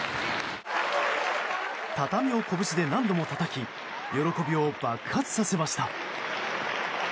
畳を拳で何度もたたき喜びを爆発させました。